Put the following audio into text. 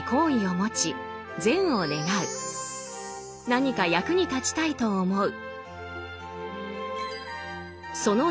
何か役に立ちたいと思う。